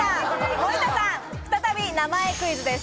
森田さん、再び名前クイズです。